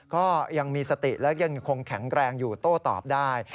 ก็ยังมีสติและยังคงแข็งแรงอยู่โต้ตอบได้